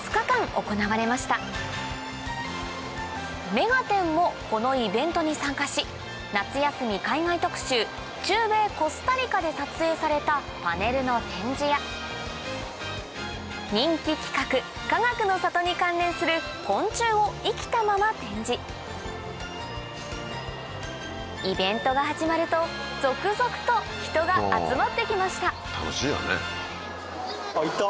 『目がテン！』もこのイベントに参加し夏休み海外特集中米コスタリカで撮影されたパネルの展示や人気企画かがくの里に関連する昆虫を生きたまま展示イベントが始まると続々と人が集まってきました・いた！